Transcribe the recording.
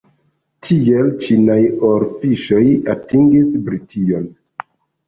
Tiel ĉinaj orfiŝoj atingis Brition.